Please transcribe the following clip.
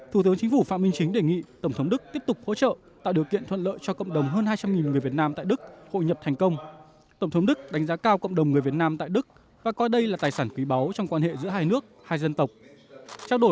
thủ tướng chính phủ phạm minh chính đề nghị tổng thống đức tiếp tục hỗ trợ tạo điều kiện thuận lợi cho cộng đồng hơn hai trăm linh người việt nam tại đức hội nhập thành công